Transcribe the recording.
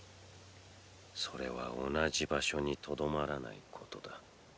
それは同じ場所に留まらないことだ。